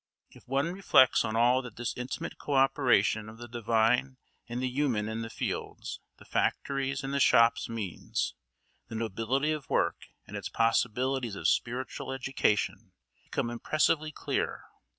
If one reflects on all that this intimate cooperation of the divine and the human in the fields, the factories, and the shops means, the nobility of work and its possibilities of spiritual education become impressively clear.